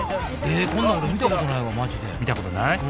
こんなん俺見たことないわマジで見たことない？